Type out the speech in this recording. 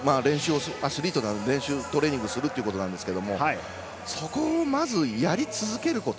アスリートなのでトレーニングするということなんですけどそこを、まずやり続けること。